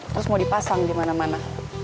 terus mau dipasang di mana mana